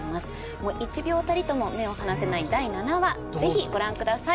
もう１秒たりとも目を離せない第７話是非ご覧ください！